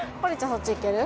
そっちいける？